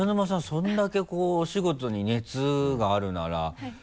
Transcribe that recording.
それだけお仕事に熱があるなら